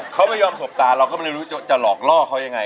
เขาไม่ยอมสบตาเราก็ไม่รู้จะหลอกล่อเขายังไง